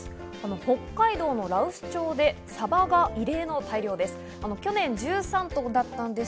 北海道の羅臼町でサバが異例の大漁です。